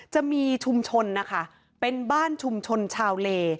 จะมีชุมชนนะคะเป็นบ้านชุมชนชาวเล